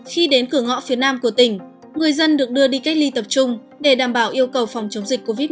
khi đến cửa ngõ phía nam của tỉnh người dân được đưa đi cách ly tập trung để đảm bảo yêu cầu phòng chống dịch covid một mươi chín